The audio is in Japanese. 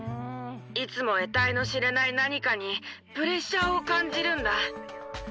いつも得体の知れない何かにプレッシャーを感じるんだ。